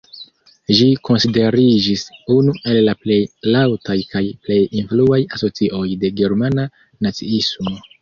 Ĝi konsideriĝis unu el la plej laŭtaj kaj plej influaj asocioj de germana naciismo.